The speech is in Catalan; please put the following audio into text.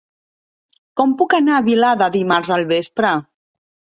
Com puc anar a Vilada dimarts al vespre?